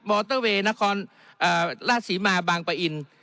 มอเตอร์เวย์นครอ่าเอ่อราชสีมาบางประอิยน